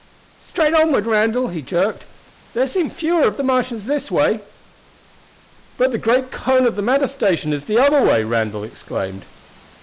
"Straight onward, Randall!" he jerked. "There seem fewer of the Martians this way!" "But the great cone of the matter station is the other way!" Randall exclaimed.